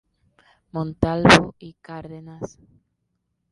Montalvo y Cárdenas.